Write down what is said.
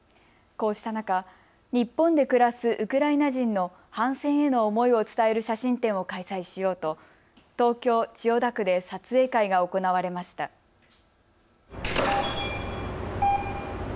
こうした中、日本で暮らすウクライナ人の反戦への思いを伝える写真展を開催しようと東京千代田区で撮影会が行われました。